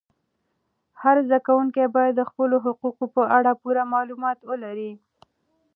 هر زده کوونکی باید د خپلو حقوقو په اړه پوره معلومات ولري.